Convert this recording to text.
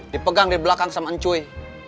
dipegang di belakang sama encuy